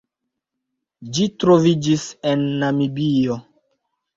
Ĝi troviĝis en Namibio.